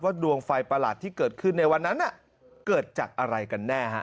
ดวงไฟประหลาดที่เกิดขึ้นในวันนั้นเกิดจากอะไรกันแน่